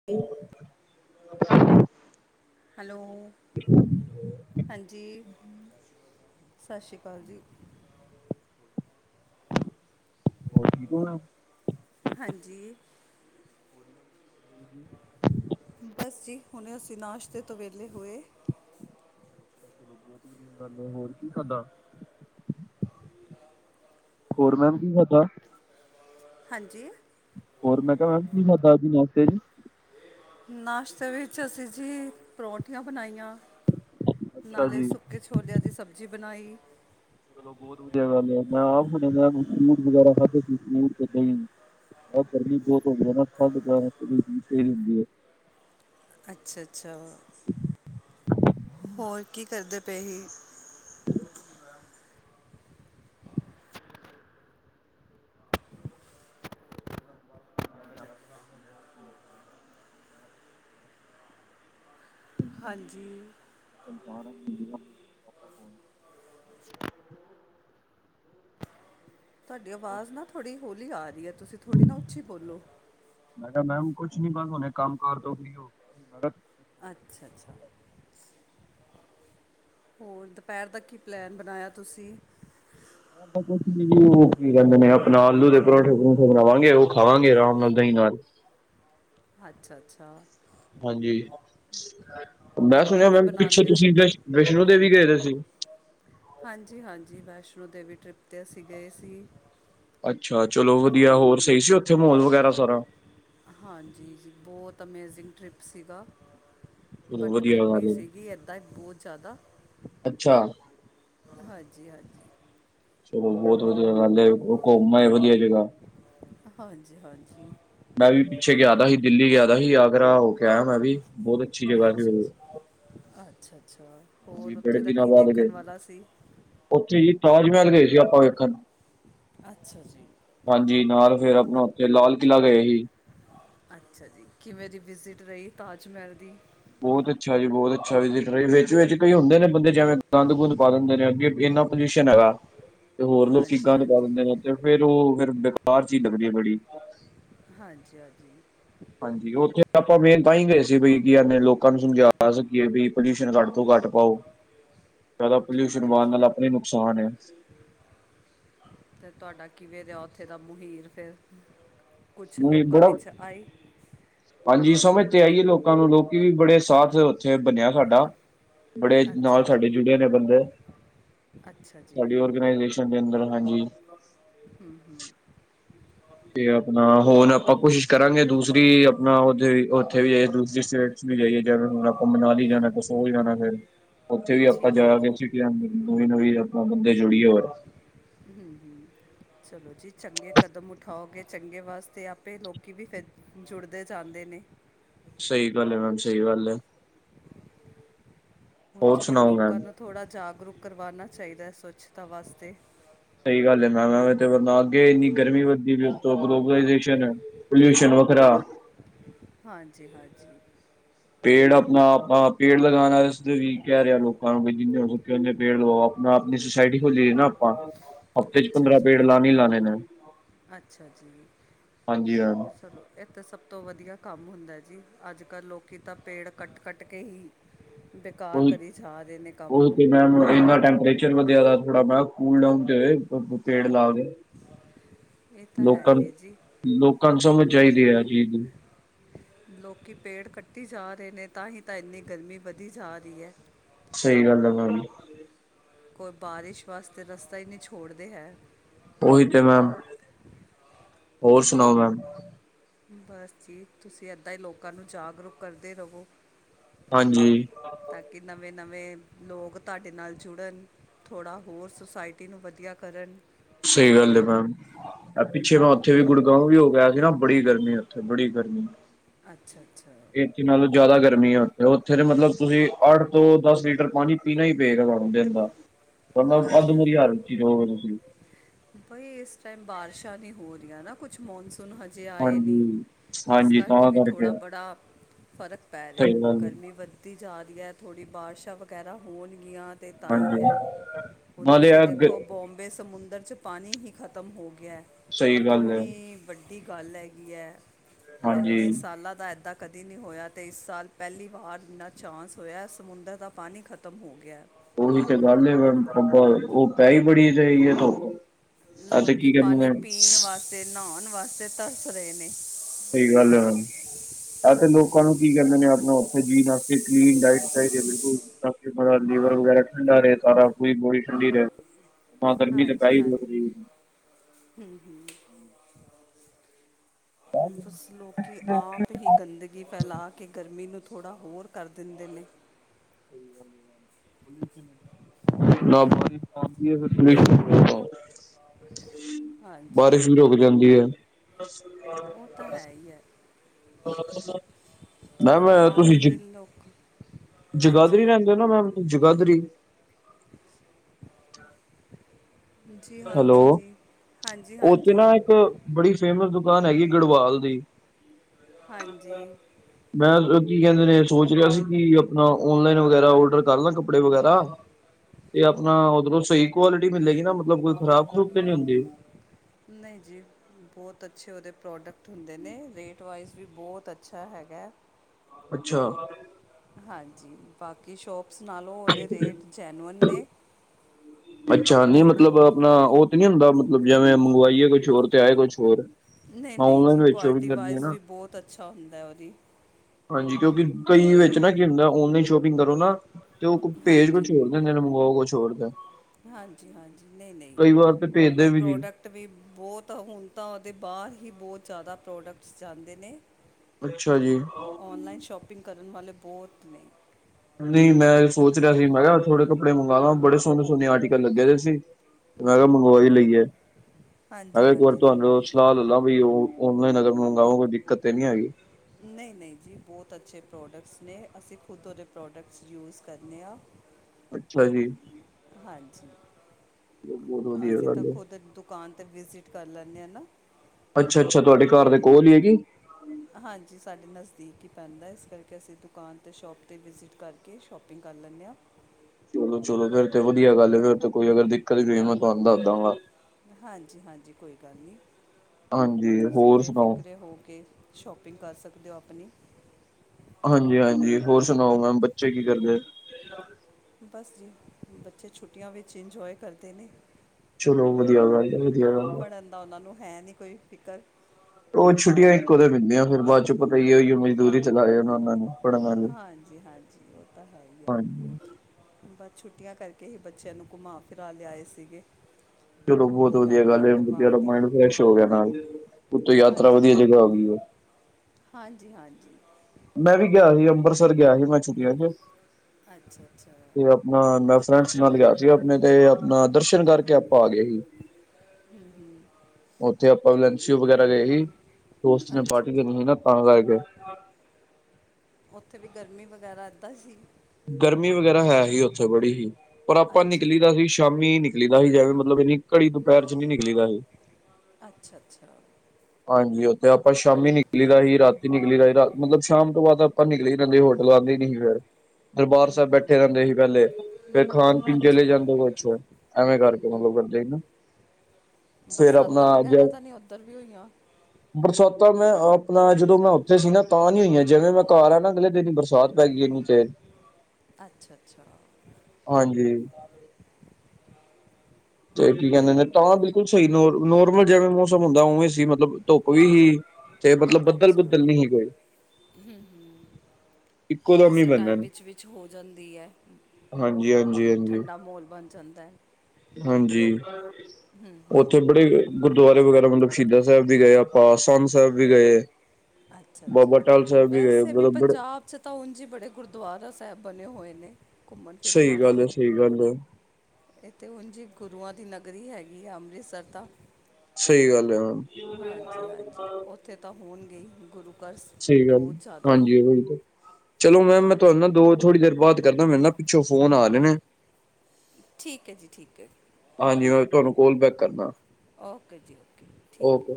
[inaudible] Hello ਹਾਂਜੀ- ਸਾਸਰੀ ਕਾਲ ਜੀ। ਹੋਰ ਠੀਕ ਹੋ ਮੈਮ -ਹਾਂਜੀ- ਹਾਂਜੀ ਬਸ ਜੀ ਹੁਣੇ ਅਸੀਂ ਨਾਸ਼ਤੇ ਤੋਂ ਵੇਲੇ ਹੋਏ। ਹੈਲੋ ਹੋਰ ਕੀ ਖਾਦਾ? ਹੋਰ ਮੈਮ ਕੀ ਖਾਦਾ? -ਹਾਂਜੀ- ਹੋਰ ਮੈਂ ਕਿਆ ਮੈਮ ਕੀ ਖਾਦਾ ਅੱਜ ਨਾਸ਼ਤੇ 'ਚ। ਨਾਸ਼ਤੇ ਵਿੱਚ ਅਸੀਂ ਜੀ ਪਰੌਂਠੀਆਂ ਬਣਾਈਆਂ। ਅੱਛਾ ਨਾਲੇ ਜੀ ਸੁੱਕ- ਕੇ ਛੋਲਿਆਂ ਦੀ ਸਬਜ਼ੀ ਬਣਾਈ। ਚਲੋ ਬਹੁਤ ਵਧੀਆ ਗੱਲ ਏ। ਮੈਂ ਆਪ ਹੁਣੇ ਮੈਮ ਫਰੂਟ ਵਗੈਰਾ ਖਾਧੇ ਸੀ। ਫਰੂਟ ਤੇ ਦਈਂ। ਆ ਗਰਮੀ ਬਹੁਤ ਹੁੰਦੀ ਹੈ ਨਾ [unintelligible] ਹੁੰਦੀ ਹੈ ਅੱਛਾ ਅੱਛਾ ਹੋਰ ਕੀ ਕਰਦੇ ਪਏ ਹੀ ਕੁਛ ਨੀ ਮੈਮ ਅਛਾ ਹਾਂਜੀ ਇਨਸਾਨ ਹੈ ਮਿਨੀਮਮ ਤੁਹਾਡੀ ਉਹ ਆਵਾਜ਼ ਨਾ ਥੋੜ੍ਹੀ ਹੌਲੀ ਆ ਰਹੀ ਤੁਸੀਂ ਥੋੜ੍ਹੀ ਨਾ ਉੱਚੀ ਬੋਲੋ ਮੈਡਮ ਮੈਂ ਕੁਛ ਨੀ ਬਸ ਹੁਣੇ ਕੰਮ ਕਾਰ ਤੋਂ ਫ੍ਰੀ ਹੋਕੇ ਆਇਆ ਸੀ ਫੋਨ ਕਰਦੇ ਅੱਛਾ ਨਹੀਂ, ਅੱਛਾ ਕੀ ਕਰਦੇ? ਹੋਰ ਦੁਪਹਿਰ ਦਾ ਕੀ ਪਲੈਨ ਬਣਾਇਆ ਤੁਸੀਂ ਬਸ ਕੁੱਛ ਨੂੰ ਉਹ ਕੀ ਕਹਿੰਦੇ ਨੇ ਆਪਣਾ ਆਲੂ ਦੇ ਪਰੌਠੇ ਪਰੂਠੇ ਬਣਾਵਾਂਗੇ ਉਹ ਖਾਵਾਂਗੇ ਆਰਾਮ ਨਾਲ ਦਹੀਂ ਨਾਲ ਅੱਛਾ ਅੱਛਾ ਅੱਛਾ ਹਾਂਜੀ ਮੈਂ ਹੋਰ ਸੁਣਿਆ ਕਿਵੇਂ ਮੈਮ ਪਿੱਛੇ ਬਣਾਉਂਦੇ ਹੋ ਤੁਸੀਂ ਜਸਟ ਵੈਸ਼ਨੋ ਦੇਵੀ ਗਏ ਵੀ ਸੀ ਹਾਂਜੀ ਹਾਂਜੀ ਵੈਸ਼ਨੋ ਦੇਵੀ ਟ੍ਰਿਪ 'ਤੇ ਅਸੀਂ ਗਏ ਸੀ ਅੱਛਾ ਚਲੋ ਵਧੀਆ ਹੋਰ ਸਈ ਸੀ ਉੱਥੇ ਮਾਹੌਲ ਵਗੈਰਾ ਸਾਰਾ ਹਾਂਜੀ ਬਹੁਤ ਅਮੇਜਿੰਗ ਟ੍ਰਿਪ ਸੀਗਾ ਚਲੋ ਬਟ ਵਧੀਆ ਗਰਮੀ ਗੱਲ ਏ। ਸੀਗੀ ਐਦਾਂ ਹੀ ਬਹੁਤ ਜ਼ਿਆਦਾ ਅੱਛਾ। ਹਾਂਜੀ ਹਾਂਜੀ ਚਲੋ ਬਹੁਤ ਵਧੀਆ ਗੱਲ ਐ ਘੁੰਮ ਆਏ ਊ ਵਧੀਆ ਜਗ੍ਹਾ ਹਾਂਜੀ ਹਾਂਜੀ ਮੈਂ ਵੀ ਪਿੱਛੇ ਗਿਆ ਦਾ ਦਿੱਲੀ ਗਿਆ ਦਾ ਆਗਰਾ ਹੋ ਕੇ ਆਇਆ ਮੈਂ ਵੀ ਬਹੁਤ ਅੱਛੀ ਅੱਛਾ ਜਗ੍ਹਾ ਸੀ ਉਹ। ਅੱਛਾ ਅੱਛਾ ਅੱਛਾ ਹਾਂਜੀ ਹੋਰ ਬੜੇ ਉੱਥੇ ਦਾ ਦਿਨਾਂ ਕੀ ਬਾਅਦ ਗਏ ਦੇਖਣ ਵਾਲਾ ਸੀ ਉੱਥੇ ਜੀ ਤਾਜ ਮਹਿਲ ਗਏ ਸੀ ਆਪਾਂ ਵੇਖਣ ਅੱਛਾ ਜੀ ਹਾਂਜੀ ਨਾਲ ਫੇਰ ਆਪਣਾ ਉੱਥੇ ਲਾਲ ਕਿਲ੍ਹਾ ਗਏ ਸੀ ਅੱਛਾ ਜੀ ਕਿਵੇਂ ਦੀ ਵਿਜਟ ਰਹੀ ਤਾਜ ਮਹਿਲ ਦੀ ਬਹੁਤ ਅੱਛਾ ਜੀ ਬਹੁਤ ਅੱਛਾ ਜੀ ਵਿੱਚ ਵਿੱਚ ਕਈ ਹੁੰਦੇ ਨੇ ਬੰਦੇ ਜਿਵੇਂ ਗੰਦ ਗੁੰਦ ਪਾ ਦਿੰਦੇ ਨੇ ਅੱਗੇ ਇਹਨਾ ਪੋਲਿਊਸ਼ਨ ਹੈਗਾ ਹ [inaudible] ਤੇ ਹੋਰ ਲੋਕੀ ਗੰਦ ਪਾ ਦੇਂਦੇ ਨੇ ਫ਼ਿਰ ਉਹ ਫੇਰ ਬੇਕਾਰ ਚੀਜ ਲੱਗਦੀ ਹੈ ਬੜੀ ਹਾਂਜੀ ਹਾਂਜੀ ਹਾਂਜੀ ਉੱਥੇ ਆਪਾਂ ਮੇਨ ਤਾਂ ਹੀ ਗਏ ਸੀ ਵੀ ਕੀ ਇਹਨੇ ਲੋਕਾਂ ਨੂੰ ਸਮਝਾ ਸਕੀਏ ਵੀ ਪੋਲਿਊਸ਼ਨ ਘੱਟ ਤੋਂ ਘੱਟ ਪਾਓ ਜ਼ਿਆਦਾ ਠੀਕ ਪੋਲਿਊਸ਼ਨ ਹੈ ਪਾਨ ਜੀ ਨਾਲ ਆਪਣਾ ਹੀ ਨੁਕਸਾਨ ਹੈ ਤੇ ਤੁਹਾਡਾ ਕਿਵੇਂ ਰਿਹਾ ਉੱਥੇ ਦਾ ਮੁਹੀਰ ਫੇਰ ਕੁਛ ਨਹੀਂ ਲੋਕਾਂ ਬੜਾ ਵਿੱਚ ਆਈ ਹਾਂਜੀ ਸਮਝ ਤੇ ਆਈ ਲੋਕਾਂ ਨੂੰ ਲੋਕੀ ਵੀ ਬੜੇ ਸਾਥ ਉੱਥੇ ਬਣਿਆ ਸਾਡਾ ਬੜੇ ਅੱਛਾ ਨਾਲ ਸਾਡੇ ਜੀ ਜੁੜੇ ਨੇ ਬੰਦੇ ਅੱਛਾ ਜੀ ਸਾਡੀ ਉਰਗਨਾਈਜੇਸਨ ਝੰਡੇ ਨੂੰ ਲਗਣਾ ਜੀ ਹਮ ਹਮ ਤੇ ਆਪਣਾ ਹੋਣ ਆਪਾਂ ਕੋਸ਼ਿਸ਼ ਕਰਾਂਗੇ ਦੂਸਰੀ ਆਪਣਾ ਉਥੇ ਉੱਥੇ ਵੀ ਜਾ ਦੂਸਰੀ ਸਟੇਟ ਕਿਤੇ ਵੀ ਜਾਈਏ ਜ ਹੁਣ ਆਪਾਂ ਮਨਾਲੀ ਜਾਣਾ ਕਸੋਲ ਜਾਣਾ ਫੇਰ ਉੱਥੇ ਵੀ ਆਪਾਂ ਠੀਕ ਹੈ ਜਾ ਜੀ ਕੇ ਸੀਟੀਆਂ ਨਵੀਂ ਨਵੀਂ ਆਪਣਾ ਬੰਦੇ ਜੋੜੀਏ ਹੋਰ ਹਮ ਹਮ ਚਲੋ ਜੀ ਚੰਗੇ ਕਦਮ ਉਠਾਓਗੇ ਚੰਗੇ ਵਾਸਤੇ ਆਪੇ ਲੋਕੀ ਵੀ ਫਿਰ ਜੁੜਦੇ ਜਾਂਦੇ ਨੇ ਸਹੀ ਗੱਲ ਹੈ ਮੈਮ ਸਹੀ ਗੱਲ ਹੈ ਹੋਰ ਉਂਝ ਵੀ ਸੁਣਾਓ ਲੋਕਾਂ ਮੈਮ ਦਾ ਥੋੜ੍ਹਾ ਜਾਗਰੂਕ ਕਰਵਾਉਣਾ ਚਾਹੀਦਾ ਹੈ ਸਵੱਛਤਾ ਵਾਸਤੇ ਸਈ ਗੱਲ ਐ ਮੈ ਵਨਾ ਅੱਗੇ ਏਨੀ ਗਰਮੀ ਉਤੋ ਗਰੋਗਨੇਸਨ ਪਲਊਸ਼ਨ ਵਖਰਾ ਹਾਂਜੀ-ਹਾਂਜੀ। ਪੇੜ ਅਪਣਾ-ਅਪਣਾ ਪੇੜ ਲਗਾਣ ਵਾਸ ਤੇ ਈ ਕੈ ਰੇਆ ਲੋਕ ਭਾਵੇ ਜੀਨੇ ਮਰਜੀ ਪੇੜ ਲਾਓ ਆਪਣਾ ਆਪਣੀ ਸੁਸੈਟੀ ਖੋਲੀ ਏ ਨਾ ਆਪਾਂ। ਹਫ਼ਤੇ ਚ ਅੱਛਾ ਪੰਦਰਾਂ ਪੇੜ ਜੀ ਲਾ ਈ ਲਾਣੇ ਨੇ। ਅੱਛਾ ਜੀ, ਹਾਂਜੀ ਮੈਮ ਦਸੋ ਫੇਰ ਤੇ ਸਭ ਤੋਂ ਵਧੀਆ ਕੰਮ ਹੁੰਦਾ ਜੀ ਅੱਜ-ਕੱਲ ਲੋਕ ਤਾਂ ਪੇੜ ਕੱਟ-ਕੱਟ ਕੇ ਹੀ ਬੇਕਾਰ ਓਈ, ਕਰੀ ਜਾ ਰਹੇ ਨੇ ਕੰਮ ਓਈ ਨੂੰ ਤੇ ਮੈਮ ਏਨਾ ਟੈਂਪਰੇਚ ਵਧਿਆ ਦਾ ਥੋੜਾ ਮ ਕੂਲ ਡਾਊਨ ਤੇ ਪੇੜ ਲਾ ਕੇ ਇਹ ਤਾਂ ਹੈ ਲੋਕਾਂ ਹੀ ਹੈ ਨੂੰ, ਜੀ ਲੋਕਾਂ ਨੂੰ ਸਮਝ ਚਾਈਦੀ ਆ ਚੀਜ਼ ਦੀ। ਲੋਕ ਪੇੜ ਕੱਟੀ ਜਾ ਰੇ ਨੇ ਤਾਂ ਹੀ ਤਾਂ ਏਨੀ ਗਰਮੀ ਵਧੀ ਜਾ ਰੀ ਐ। ਸਈ ਗਲ ਆ ਮੈਡਮ। ਕੋਈ ਬਾਰਿਸ਼ ਵਾਸਤੇ ਰਸਤਾ ਈ ਨੀ ਛੋੜਦੇ ਹੈ। ਓਹੀ ਤੇ ਮੈਮ, ਹੋਰ ਸੁਣਾਓ ਮੈਮ? ਬਸ ਜੀ ਤੁਸੀਂ ਏਦਾਂ ਈ ਲੋਕਾਂ ਨੂੰ ਜਾਗਰੂਕ ਕਰਦੇ ਰਵੋ। ਹਾਂਜੀ ਤਾਂ ਕੀ ਨਵੇਂ-ਨਵੇਂ ਲੋਕ ਤੁਹਾਡੇ ਨਾਲ ਜੁੜਨ ਥੋੜਾ ਹੋਰ ਸੁਸੈਟੀ ਨੂੰ ਵਧੀਆ ਕਰਨ ਸ ਈ ਗੱਲ ਐ ਮੈਮ ਪੀਛੇ ਮੈਂ ਓਥੇ ਵੀ ਗੁੜਗਾਉ ਵੀ ਹੋ ਕੇ ਆਏਆ ਸੀ ਨਾ ਬੜੀ ਗਰਮੀ ਓਥੇ ਬੜੀ ਗਰਮੀ ਆ ਛਾ ਛਾ। ਇੱਥੇ ਨਾਲੋਂ ਜਾਦਾ ਗਰਮੀ ਆ ਓਥੇ ਓਥੇ ਮਲਬ ਤੁਸੀਂ ਅੱਠ ਤੋਂ ਦਸ ਲੀਟਰ ਪਾਣੀ ਪੀਣਾ ਈ ਪੇਗਾ ਤੁਆਨੂੰ ਦੇਨ ਦਾ, ਬਦਾ ਅੱਧ ਮੁੁਰੀਆਰ [unintelligible] ਬਈ ਏਸ ਟਾਈਮ ਬਾਰਿਸ਼ਾਂ ਨੀ ਹੋ ਰਈਆਂ ਨਾ ਕੁਛ ਮੌਨਸੂਨ ਹ ਜੇ ਆਏ ਨੀ, ਹਾਂਜੀ ਏਸ ਹਾਂਜੀ ਤਾਂ ਕਰਕੇ ਵੀ ਥੋੜਾ ਬੜਾ ਫ਼ਰਕ ਪੈ ਰੇਆ ਸਹੀ ਗੱਲ ਹੈ ਗਰਮੀ ਵ ਦੀ ਜਾ ਰਈ ਐ ਥੋੜੀ ਬਾਰਸ਼ਾਂ ਵਗੈਰਾ ਹੋਣਗੀਆਂ ਤੇ ਤਾਂ ਈ ਹਾਂਜੀ ਹੈ। ਹੁ ਨਾਲੇ ਤੁਸੀਂ ਆ ਗ ਦੇਖੋ ਬੌਬੇ ਸਮੁੰਦਰ ਚ ਪਾਣੀ ਹੀ ਖਤਮ ਹੋ ਗੇਐ ਸਹੀ ਗੱਲ ਹੈ ਕਿੰਨੀ ਵੱਡੀ ਗੱਲ ਹੈਗੀ ਐ ਹਾਂਜੀ ਐਨੇ ਸਾਲਾਂ ਦਾ ਐਦਾਂ ਕਦੇ ਨੀ ਹੋਏਆ ਤੇ ਏਸ ਸਾਲ ਪੈਲੀ ਵਾਰ ਜਿੰਨਾ ਚਾਂਸ ਹੋਇਆ ਸਮੁੰਦਰ ਦਾ ਪਾਣੀ ਖਤਮ ਹੋ ਗੇਆ। ਓਹੀ ਤੇ ਗੱਲ ਮੈਮ ਓ ਪੈ ਈ ਬੜੀ ਰਈ ਏ ਧੁਪ। ਲੋਕ ਪਾਣੀ ਪੀਣ ਵਾਸਤੇ ਨੌਣ ਵਾਸਤੇ ਤਰਸ ਰਏ ਨੇ। ਸਈ ਗੱਲ ਐ ਮੈਮ ਆ ਤੇ ਲੋਕਾਂ ਨੂੰ ਹਾਂਜੀ ਕੀ ਕੈਂਦੇ ਨੇ ਆਪਣਾ ਓਥੇ ਜੀਣਾ ਕਲੀਨ ਡਟ ਚਾਹੀ ਬਿਲਕੁ ਤਾਂ ਕੀ ਮਾ ਲੀਵਰ ਵਗੈਰਾ ਠੰਡਾ ਰਏ ਸਾਰਾ ਪੂਰੀ ਬੋਡੀ ਠੰਡੀ ਰਏ ਹਾਂਜੀ ਹਾਂ ਹੂੰ-ਹੂੰ। ਕੇ ਤੁਸ ਲੋਕੀ ਆਪ ਹੀ ਗੰਦਗੀ ਫੈਲਾਕੇ ਗਰਮੀ ਨੂੰ ਥੋੜ੍ਹਾ ਹੋਰ ਕਰ ਦੇਂਦੇ ਨੇ [unintelligible] [unintelligible] ਹਾਂਜੀ ਬਾਰਸ਼ ਵੀ ਰੁਕ ਜਾਂਦੀ ਏ ਓਤਾ ਹੈ ਈ ਐ [unintelligible] ਮੈਮ ਥੋੜ੍ਹਾ ਆਪ ਤੁਸੀਂ ਜ, ਹੀ ਲੋਕ ਜਗਾਦਰੀ ਹਾਂਜੀ ਰੈਂਦੇ ਓ ਨਾ ਮੈਮ ਜਗਾਦਰੀ ਜੀ ਹੈਲੋ ਹਾਂਜੀ ਜੀ ਉੱਥੇ ਹਾਂਜੀ-ਹਾਂਜੀ ਨਾ ਇੱਕ ਬੜੀ ਫੇਮਸ ਦੁਕਾਨ ਹੈਗੀ ਗੜਵਾਲ ਦੀ ਹਾਂਜੀ ਮੈਂ ਕੀ ਕਹਿੰਦੇ ਨੇ ਸੋਚ ਰਿਹਾ ਸੀ ਕਿ ਆਪਣਾ ਔਨਲਾਈਨ ਵਗੈਰਾ ਓਡਰ ਕਰਲਾ ਕੱਪੜੇ ਵਗੈਰਾ ਤੇ ਆਪਣਾ ਉਧਰੋਂ ਸਹੀ ਕੁਆਲਿਟੀ ਮਿਲੇਗੀ ਨਾ ਮਤਲਬ ਕੋਈ ਖ਼ਰਾਬ ਖਰੂਬ ਤੇ ਨੀ ਹੁੰਦੀ ਨਹੀਂ ਜੀ ਬਹੁਤ ਅੱਛੇ ਉਹਦੇ ਪ੍ਰੋਡਕਟ ਹੁੰਦੇ ਨੇ ਰੇਟ ਵਾਈਜ਼ ਵੀ ਬਹੁਤ ਅੱਛਾ ਹੈਗਾ ਅੱਛਾ ਹਾਂਜੀ ਬਾਕੀ ਸ਼ੋਪਸ ਨਾਲੋਂ ਉਹਦੇ ਰੇਟ ਜੈਨੂਅਨ ਨੇ ਅੱਛਾ ਨਹੀਂ ਅਤੇ ਮਤਲਬ ਅਪਣਾ ਉਹ ਤੇ ਨੀ ਹੁੰਦਾ ਮਤਲਬ ਜਿਵੇਂ ਮੰਗਵਾਈਏ ਕੁਛ ਹੋਰ ਤੇ ਆਏ ਕੁਛ ਹੋਰ ਹਾਂ ਨਹੀਂ-ਨਹੀਂ ਜੀ ਔਨਲਾਈਨ ਵਿੱਚ ਸ਼ੋਪਿੰਗ ਕੁਆਲਿਟੀ ਕਰਨੀ ਹੈ ਵਾਈਜ਼ ਨਾ ਵੀ ਬਹੁਤ ਅੱਛਾ ਹੁੰਦਾ ਉਹ ਜੀ ਹਾਂਜੀ ਕਿਉਂਕਿ ਕਈ ਵਿੱਚ ਨਾ ਕੀ ਹੁੰਦਾ ਔਨਲਾਈਨ ਸ਼ੋਪੰਪਿੰਗ ਕਰੋ ਨਾ ਤੇ ਉਹ ਭੇਜ ਹਾਂਜੀ ਕੁਛ ਹੋ ਕਹਿੰਦੇ ਨੇ ਮੰਗਵਾਓ ਕੁਛ ਹੋਰ ਤੇ ਹਾਂਜੀ-ਹਾਂਜੀ ਨਹੀਂ-ਨਹੀਂ ਤੇ ਉਹਦੇ ਭੇਜਦੇ ਵੀ ਨੀ ਪ੍ਰੋਡਕਟ ਕਟ ਵੀ ਬਹੁਤ ਹੁਣ ਤਾਂ ਉਹਦੇ ਬਾਹਰ ਹੀ ਬਹੁਤ ਜਾਦਾ ਪ੍ਰੋਡਕਟਸ ਜਾਂਦੇ ਨੇ ਅੱਛਾ ਜੀ ਔਨਲਾਈਨ ਸ਼ੋਪਿੰਗ ਕਰਨ ਵਾਲੇ ਬਹੁਤ ਨੇ ਨਹੀਂ ਮੈਂ ਸੋਚ ਰਿਹਾ ਸੀ ਮੈਂ ਕਿਹਾ ਥੋੜੇ ਕੱਪੜੇ ਮੰਗਵਾਲਾ ਬੜੇ ਸੋਹਣੇ-ਸੋਹਣੇ ਆਰਟੀਕਲ ਲੱਗੇ ਦੇ ਸੀ ਮੈਂ ਕਿਆ ਮੰਗਵਾ ਇ ਲਈਏ ਮੈ ਹਾਂਜੀ ਕਿਆ ਇੱਕ ਵਾਰ ਹਾਂਜੀ ਜੀ ਤਵਾਣੁ ਸਲਾਹ ਲੈ ਲਾਂ ਵੀ ਉਹ ਔਨਲਾਈਨ ਅਗਰ ਮੰਗਾਵ ਕੋਈ ਦਿੱਕਤ ਨੀ ਆਇ ਨਹੀਂ-ਨਹੀਂ ਜੀ ਬਹੁਤ ਅੱਛੇ ਪ੍ਰੋਡਕਟਸ ਨੇ ਅਸੀਂ ਖੁਦ ਉਹਦੇ ਪ੍ਰੋਡਕਟਸ ਯੂਜ ਕਰਨੇ ਆਂ ਅੱਛਾ ਜੀ ਹਾਂਜੀ ਬਹੁਤ ਵਧੀਆ ਅਸੀਂ ਤਾਂ ਗੱਲ ਹੈ ਖੁਦ ਦੁਕਾਨ 'ਤੇ ਵਿਸੀਟ ਕਰ ਲੈਂਦੇ ਹਾਂ ਨਾ ਅੱਛਾ-ਅੱਛਾ ਤੁਹਾਡੇ ਘਰ ਦੇ ਕੋਲ ਇ ਕੀ ਹਾਂਜੀ ਸਾਡੇ ਨਜ਼ਦੀਕ ਹੀ ਪੈਂਦਾ ਇਸ ਕਰਕੇ ਅਸੀਂ ਦੁਕਾਨ 'ਤੇ ਸ਼ੋਪ 'ਤੇ ਵਿਸੀਟ ਕਰਕੇ ਸ਼ੋਪਿੰਗ ਕਰ ਲੈਂਦੇ ਆਂ ਚਲੋ-ਚਲੋ ਫੇਰ ਤੇ ਵਧੀਆ ਗੱਲ ਫੇਰ ਤੇ ਕੋਈ ਅਗਰ ਦਿੱਕਤ ਵੀ ਮੈਂ ਤੁਹਾਨੂੰ ਦੱਸ ਦਾਂਗਾ ਹਾਂਜੀ-ਹਾਂਜੀ ਕੋਈ ਗੱਲ ਨਹੀਂ ਹਾਂਜੀ ਤੁਸੀਂ ਹੋਰ ਸੁਣਾਓ ਬੇਫਿਕਰੇ ਹੋ ਕੇ ਸ਼ੋਪਿੰਗ ਕਰ ਸਕਦੇ ਓ ਆਪਣੀ ਹਾਂਜੀ-ਹਾਂਜੀ ਹੋਰ ਸੁਣਾਓ ਮੈਮ ਬੱਚੇ ਕੀ ਕਰਦੇ ਬਸ ਜੀ ਬੱਚੇ ਛੁੱਟੀਆਂ ਵਿੱਚ ਇੰਜੋਏ ਕਰਦੇ ਨੇ ਚਲੋ ਵਦੀਆ ਗਲ ਪੜ੍ਹਨ ਦਾ ਉਹਨਾਂ ਨੂੰ ਹੈ ਨਹੀਂ ਕੋਈ ਫ਼ਿਕਰ ਉਹ ਛੁੱਟੀਆਂ ਇੱਕੋ ਦਿਨ ਮਿਲਦੀਆਂ ਫੇਰ ਬਾਦ ਚੋਂ ਪਤਾ ਹੀ ਹੋ ਮਜ਼ਦੂਰੀ ਚ ਲਗ ਜਾਣਾ ਓਹਨਾ ਨੂੰ ਹਾਂਜੀ-ਹਾਂਜੀ ਉਹ ਤਾਂ ਹੈ ਹੀ ਏ ਹਾਂਜੀ ਬਸ ਛੁੱਟੀਆਂ ਕਰਕੇ ਹੀ ਬੱਚਿਆਂ ਨੂੰ ਘੁਮਾ ਫਿਰਾ ਲਿਆਏ ਸੀਗੇ ਚਲੋ ਬਹੁਤ ਵਧੀਆ ਗੱਲ ਯਾਤਰਾ ਏ ਬੱਚਿਆਂ ਦਾ ਕਰਵਾਤੀ ਮਾਇੰਡ ਫਰੈਸ਼ ਹੋ ਗਿਆ ਨਾਲ ਉਤੋਂ ਯਾਤਰਾ ਵਧੀਆ ਜਗ੍ਹਾ ਹੋ ਗਈ ਏ ਹਾਂਜੀ-ਹਾਂਜੀ ਮੈਂ ਵੀ ਗਿਆ ਸੀ ਅੰਮ੍ਰਿਤਸਰ ਗਿਆ ਸੀ ਮੈਂ ਛੁਟੀਆਂ ਚ ਅੱਛਾ-ਅੱਛਾ ਤੇ ਆਪਣਾ ਮੈਂ ਫਰੈਂਡਸ ਨਾਲ ਗਿਆ ਸੀ ਆਪਣੇ ਤੇ ਆਪਣਾ ਦਰਸ਼ਨ ਕਰਕੇ ਆਪਾਂ ਆ ਗਏ ਹੀ ਹਮ-ਹਮ ਉੱਥੇ ਆਪਾਂ ਲੰਚ ਵਗੈਰਾ ਗਏ ਹੀ ਦੋਸਤ ਨੇ ਅੱਛਾ ਪਾਰਟੀ ਜੀ ਦੇਣੀ ਹੀ ਨਾ ਤਾਂ ਕਰਕੇ ਉੱਥੇ ਵੀ ਗਰਮੀ ਵਗੈਰਾ ਇੱਦਾਂ ਸੀ ਗਰਮੀ ਵਗੈਰਾ ਹੈ ਹੀ ਉੱਥੇ ਬੜੀ ਹੀ ਪਰ ਆਪਾਂ ਅੱਛਾ ਨਿਕਲੀ ਦਾ ਸੀ ਸ਼ਾਮੀ ਨਿਕਲੀ ਨਿਕਲੀ ਦਾ ਸੀ ਜਿਵੇਂ ਮਤਲਬ ਇੰਨੀ ਘੜੀ ਦੁਪਹਿਰ ਚ ਨੀ ਨਿਕਲੀਦਾ ਸੀ। ਅੱਛਾ ਅੱਛਾ। ਹਾਂਜੀ ਉੱਥੇ ਆਪਾਂ ਸ਼ਾਮੀ ਨਿਕਲੀ ਦਾਹੀ ਰਾਤੀ ਨਿਕਲੀ ਦਾ ਸੀ ਮਤਲਬ ਸ਼ਾਮ ਤੋਂ ਬਾਅਦ ਆਪਾਂ ਨਿਕਲੇ ਰਹਿੰਦੇ ਹੋਟਲ ਆਉਂਦੇ ਨ ਸੀ। ਫੇਿਰ ਦਰਬਾਰ ਸਾਹਿਬ ਬੈਠੇ ਰਹਿੰਦੇ ਸੀ ਪਹਿਲੇ। ਫਿਰ ਖਾਣ ਪੀਣ ਚਲੇ ਅੱਛਾ ਜਾਂਦੇ ਕੁਛ ਐਵੇਂ ਕਰਕੇ, ਮਤਲਬ ਕਰਦੇ ਸੀ ਨਾ। ਫਿਰ ਆਪਣਾ ਆਪ ਜਾੳ। ਉੱਤਰ ਵੀ ਹੋਈਆਂ। ਬਰਸਾਤ ਮੈਂ ਆਪਣਾ ਜਦੋਂ ਮੈਂ ਉੱਥੇ ਸੀ ਨਾ ਤਾਂ ਨੀ ਹੋਈ, ਹਾਂ ਜਿਵੇਂ ਮੈਂ ਘਰ ਆ ਨਾ ਅਗਲੇ ਦਿਨ ਬਰਸਾਤ ਪੈ ਗਈ ਇਨੀ ਚਿਰ ਅੱਛਾ ਅੱਛਾ ਹਾਂਜੀ। ਤੇ ਕੀ ਕਹਿੰਦੇ ਨੇ ਤਾਂ ਬਿਲਕੁਲ ਸਹੀ ਨੋਰਮਲ ਜਿਵੇਂ ਮੌਸਮ ਹੁੰਦਾ ਉਵੇਂ ਸੀ ਮਤਲਬ ਧੁੱਪ ਵੀ ਹੀ ਅੱਛਾ ਹਮ ਹਮ। ਇੱਕੋ ਦਮ ਹੀ ਕਿਸੇ ਟਾਈਮ ਬੰਨਣ ਵਿੱਚ ਵਿੱਚ ਹੋ ਜਾਂਦੀ ਹੈ ਹਾਂਜੀ ਹਾਂਜੀ ਹਾਂਜੀ ਠੰਡਾ ਮੋਲ ਬਣ ਜਾਂਦਾ ਹੈ। ਹਾਂਜੀ ਉੱਥੇ ਬੜੇ ਗੁਰਦੁਆਰੇ ਵਗੈਰਾ ਮਤਲਬ ਸ਼ਹੀਦਾਂ ਸਾਹਿਬ ਵੀ ਗਏ, ਆਪ ਸੰਤ ਸਾਹਿਬ ਵੀ ਗਏ। ਅੱਛਾ ਅੱਛਾ ਬਾਬਾ ਟਾਲ ਸਾਹਿਬ ਗਏ ਵੈਸੇ ਵੀ ਮਤਲਬ ਬੜੇ ਪੰਜਾਬ ਤਾਂ ਹੁਣ ਜੀ ਬੜੇ ਗੁਰਦੁਆਰਾ ਸਾਹਿਬ ਬਣੇ ਹੋਏ ਨੇ ਘੁੰਮਣ ਫਿਰਨ ਸਹੀ ਗੱਲ ਹੈ, ਵਾਸਤੇ। ਸਹੀ ਗੱਲ ਹੈ, ਇੱਥੇ ਉਜੀ ਗੁਰੂਆਂ ਦੀ ਨਗਰੀ ਹੈਗੀ ਆ ਅੰਮ੍ਰਿਤਸਰ ਤਾਂ। ਸਹੀ ਗੱਲ ਹੈ ਮੈਮ ਹਾਂਜੀ ਹਾਂਜੀ ਉੱਥੇ ਤਾਂ ਹੋਣਗੇ ਗੁਰੂ ਘਰ ਸਹੀ ਗੱਲ ਜੀ ਬਹੁਤ ਜ਼ਿਆਦਾ ਹਾਂਜੀ ਉਹ ਚਲੋ ਮੈਮ ਮੈਂ ਤੁਹਾਨੂੰ ਨਾ ਦੋ ਥੋੜੀ ਦੇਰ ਬਾਅਦ ਕਰਦਾ ਮੇਰੇ ਨਾ ਪਿੱਛੋਂ ਫੋਨ ਆ ਰਹੇ ਨੇ। ਠੀਕ ਹੈ ਜੀ ਠੀਕ ਹੈ। ਹਾਂਜੀ ਮੈਂ ਤੁਹਾਨੂੰ ਕੋਲ ਬੈਕ ਕਰਦਾ। ਓਕੇ ਜੀ ਓਕੇ। ਠੀਕ ਓਕੇ।